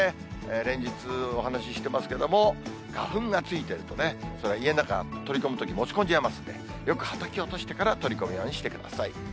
連日、お話ししてますけれども、花粉がついてるとね、それは家の中、取り込むとき、持ち込んじゃいますので、よくはたき落としてから取り込むようにしてください。